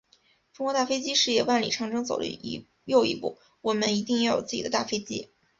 中国大飞机事业万里长征走了又一步，我们一定要有自己的大飞机。